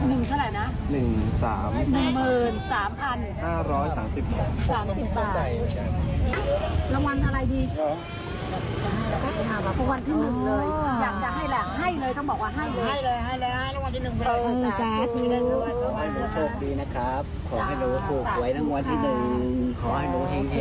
เอาให้ลูกเชิญดีนะครับ